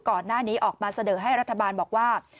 ก่อนหน้านี้ออกมาเสนอให้รัฐบาลบอกว่า